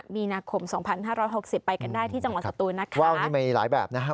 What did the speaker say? ๕มีนาคม๒๕๖๐ไปกันได้ที่จังหวัดศัตรูนะคะว่าวนี้มีหลายแบบนะฮะ